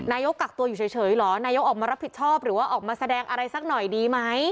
กักตัวอยู่เฉยเหรอนายกออกมารับผิดชอบหรือว่าออกมาแสดงอะไรสักหน่อยดีไหม